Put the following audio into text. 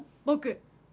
僕。